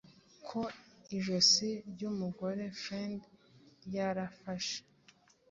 Ko ijosi ryumugore-fiend ryarafashe